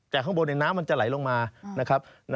แต่ข้างบนน้ำมันจะไหลลงมานะครับ